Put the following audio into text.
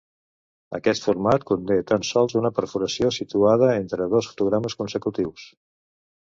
Aquest format conté tan sols una perforació, situada entre dos fotogrames consecutius.